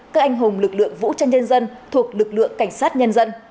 các anh hùng lực lượng vũ trang nhân dân thuộc lực lượng cảnh sát nhân dân